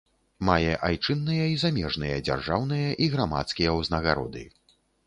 Мае айчынныя і замежныя дзяржаўныя і грамадскія ўзнагароды.